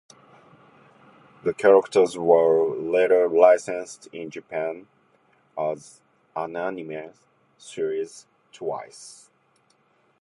The characters were later licensed in Japan as an anime series, twice.